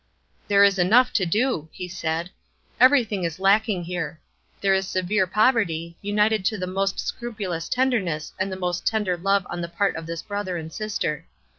"There is enough to do," he said; "everything is lacking here; there is severe poverty, united to the most scrupulous tenderness and the most tender love on the part of this brother and sister.